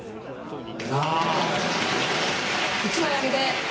あぁ１枚あげて。